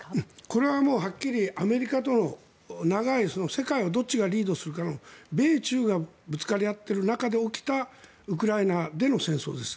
これはもうはっきりアメリカとの長い、世界をどっちがリードするかの米中がぶつかり合ってる中で起きたウクライナでの戦争です。